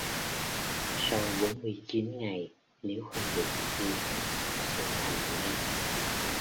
sau bốn mươi chín ngày nếu không được siêu thoát sẽ thành ma